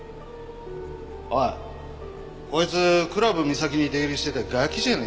おいこいつクラブ・ミサキに出入りしてたガキじゃねえか？